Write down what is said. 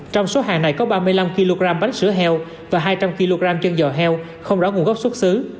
trong số hàng này có ba mươi năm kg bánh sữa heo và hai trăm linh kg chân giò heo không rõ nguồn gốc xuất xứ